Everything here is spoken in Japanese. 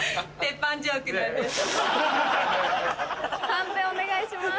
判定お願いします。